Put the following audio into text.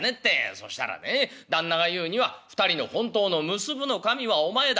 そしたらね旦那が言うには『２人の本当の結ぶの神はお前だ。